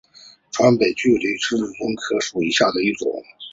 川北钩距黄堇为罂粟科紫堇属下的一个种。